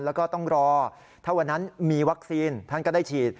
แล้วก็ต้องรอถ้าวันนั้นมีวัคซีนท่านก็ได้ฉีด